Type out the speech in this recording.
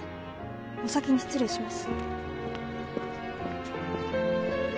お先に失礼します。